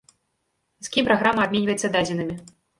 З кім праграма абменьваецца дадзенымі?